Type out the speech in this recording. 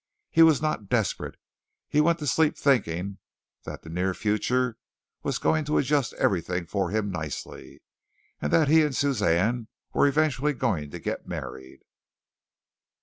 He was not desperate. He went to sleep thinking that the near future was going to adjust everything for him nicely, and that he and Suzanne were eventually going to get married.